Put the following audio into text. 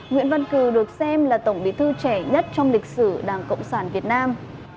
nguyễn văn cử được xem là tổng bí thư trẻ nhất trong lịch sử đảng cộng sản việt nam